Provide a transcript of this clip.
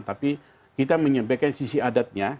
tapi kita menyampaikan sisi adatnya